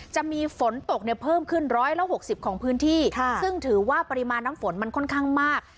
จะมีฝนตกเนี่ยเพิ่มขึ้นร้อยแล้วหกสิบของพื้นที่ค่ะซึ่งถือว่าปริมาณน้ำฝนมันค่อนข้างมาก